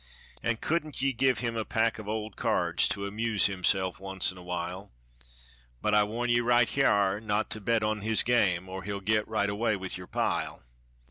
An' couldn't ye give him a pack of old cards To amuse himself once in a while? But I warn ye right hyar not to bet on his game, Or he'll get right away with yer pile.